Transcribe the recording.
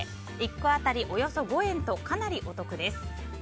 １個当たりおよそ５円とかなりお得です。